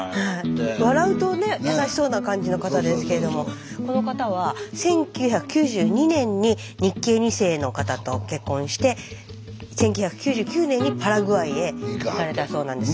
笑うとね優しそうな感じの方ですけれどもこの方は１９９２年に日系２世の方と結婚して１９９９年にパラグアイへ行かれたそうなんです。